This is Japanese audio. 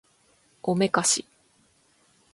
おめかし